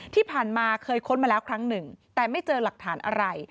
ที่ผ่านมาเคยค้นมาแล้วครั้งหนึ่งแต่ไม่เจอหลักฐานอะไร